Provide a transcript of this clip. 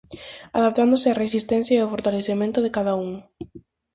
Adaptándose á resistencia e o fortalecemento de cada un.